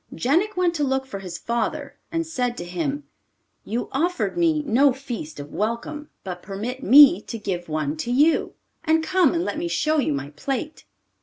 Jenik went to look for his father, and said to him: 'You offered me no feast of welcome, but permit me to give one to you, and come and let me show you my plate.